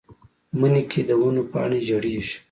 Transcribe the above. مني کې د ونو پاڼې ژیړیږي